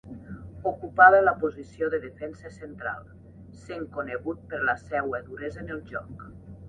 Ocupava la posició de defensa central, sent conegut per la seua duresa en el joc.